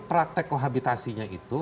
praktek kohabitasinya itu